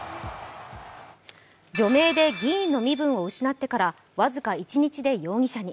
除名で議員の身分を失ってから僅か１日で容疑者に。